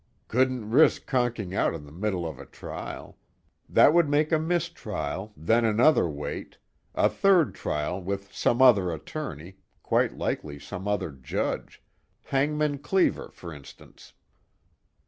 "Couldn't risk conking out in the middle of a trial. That would make a mistrial, then another wait, a third trial with some other attorney, quite likely some other judge Hangman Cleever for instance.